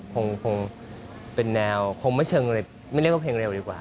คงเป็นแนวคงไม่เชิงไม่เรียกว่าเพลงเร็วดีกว่า